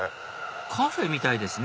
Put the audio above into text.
カフェみたいですね